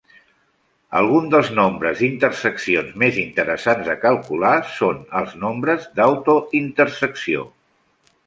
Alguns dels nombres d'interseccions més interessants de calcular són els "nombres d'autointersecció".